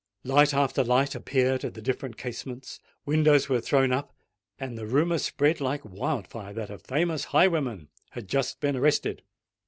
Light after light appeared at the different casements: windows were thrown up; and the rumour spread like wildfire, that a famous highwayman had just been arrested.